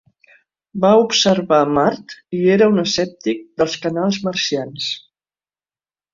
Va observar Mart i era un escèptic dels canals marcians.